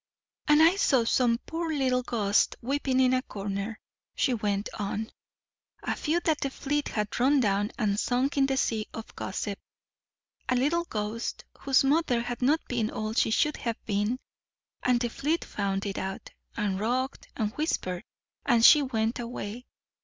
"And I saw some poor little ghosts weeping in a corner," she went on; "a few that the fleet had run down and sunk in the sea of gossip. A little ghost whose mother had not been all she should have been, and the fleet found it out, and rocked, and whispered, and she went away.